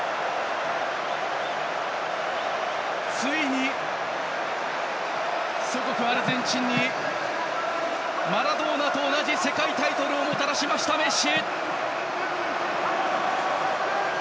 ついに、祖国アルゼンチンにマラドーナと同じ世界タイトルをもたらしましたメッシ。